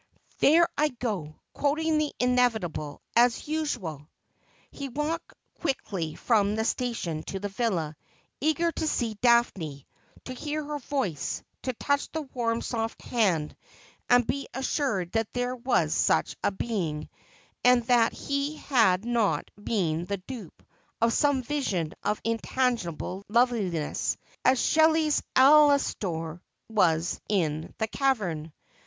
There I go, quoting the Inevitable, as usual !' He walked quickly from the station to the villa, eager to see Daphne, to hear her voice, to touch the warm soft hand, and be assured that there was such a being, and that he had not been the dupe of some vision of intangible loveliness, as Shelley's Alastor was in the cavern.